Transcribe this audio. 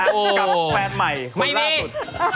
กับแฟนใหม่ไม่ล่าสุด